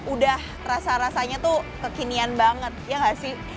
udah rasa rasanya tuh kekinian banget ya gak sih